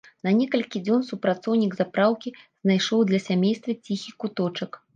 На некалькі дзён супрацоўнік запраўкі знайшоў для сямейства ціхі куточак.